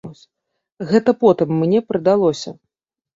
Гэта потым мне прыдалося.